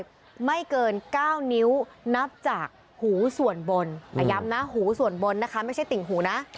ไม่เกิน๙นิ้วนับจากหูส่วนบนย้ำนะหูส่วนบนนะคะไม่ใช่ติ่งหูนะ